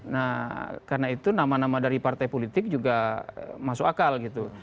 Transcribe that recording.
nah karena itu nama nama dari partai politik juga masuk akal gitu